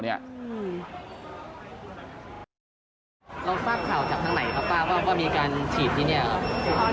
เราทราบข่าวจากทางไหนครับป้าว่ามีการฉีดที่นี่ครับ